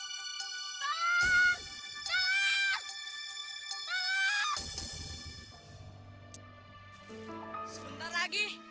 sekarang kalau deja deja hal ini seperti ini